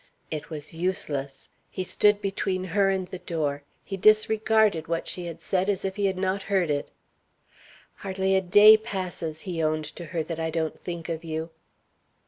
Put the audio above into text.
It was useless. He stood between her and the door; he disregarded what she had said as if he had not heard it. "Hardly a day passes," he owned to her, "that I don't think of you."